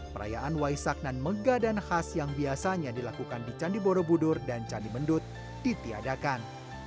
perayaan waisak dan mega dan khas yang biasanya dilakukan di candi borobudur dan candi mendut ditiadakan